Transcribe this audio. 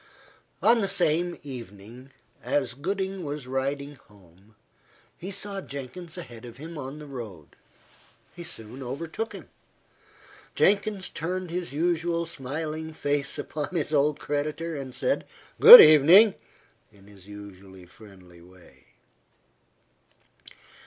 On the same evening, as Gooding was riding home, he saw Jenkins ahead of him on the road. He soon overtook him. Jenkins turned his usual smiling face upon his old creditor, and said, "Good evening," in his usual friendly way.